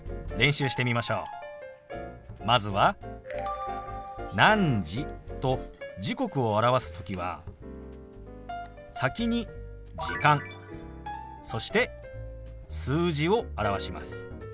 まずは「何時」と時刻を表す時は先に「時間」そして数字を表します。